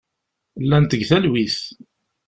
Llant deg talwit.